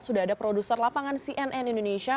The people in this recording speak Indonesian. sudah ada produser lapangan cnn indonesia